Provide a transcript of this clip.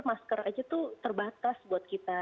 masker saja itu terbatas buat kita